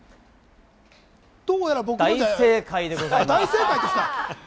大正解でございます。